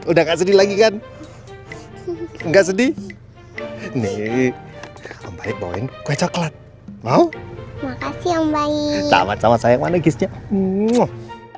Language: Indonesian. udah nggak sedih lagi kan nggak sedih nih bawain kue coklat mau makasih